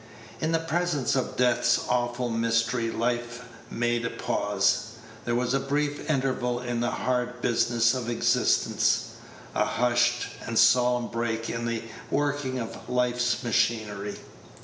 In the presence of death's awful mystery life made a pause. There was a brief interval in the hard business of existence a hushed and solemn break in the working of life's machinery.